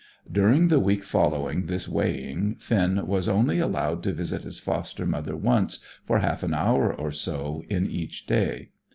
During the week following this weighing Finn was only allowed to visit his foster mother once, for half an hour or so, in each day.